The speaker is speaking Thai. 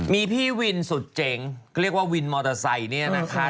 มีพี่วินสุดเจ๋งเรียกว่าวินมอเตอร์ไซค์เนี่ยนะคะ